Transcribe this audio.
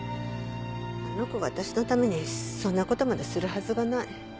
あの子が私のためにそんな事までするはずがない。